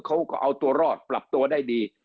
เขาก็เอาตัวรอดปรับตัวได้ดี